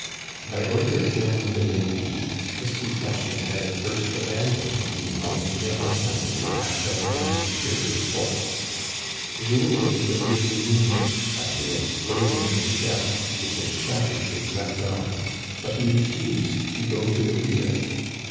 By order of General de Levis, this detachment had at first abandoned Dumont's mill under the attack of a much superior force. Jules was severely wounded by the ex plosion of a shell, which had shattered his left arm, but he refused to go to the rear.